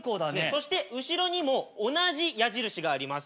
そして後ろにも同じ矢印があります。